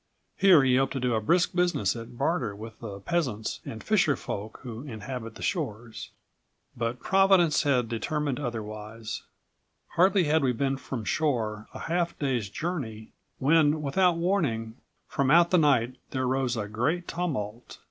Here he hoped to do a brisk business at barter with the peasants and fisher folk who inhabit the shores. "But Providence had determined otherwise. Hardly had we been from shore a half day's journey, when, without warning, from out the night there rose a great tumult.